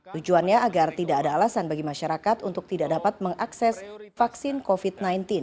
tujuannya agar tidak ada alasan bagi masyarakat untuk tidak dapat mengakses vaksin covid sembilan belas